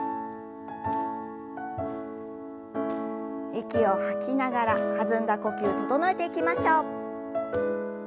息を吐きながら弾んだ呼吸整えていきましょう。